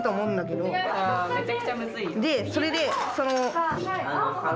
でそれでその。